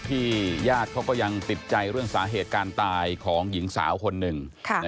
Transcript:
ญาติเขาก็ยังติดใจเรื่องสาเหตุการตายของหญิงสาวคนหนึ่ง